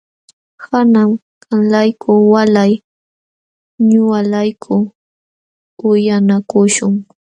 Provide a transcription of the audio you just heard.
Kanan qamlayku walay ñuqalayku uyanakuśhun.